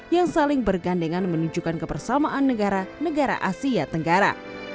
yang saling bergandengan menunjukkan kebersamaan negara negara asia tenggara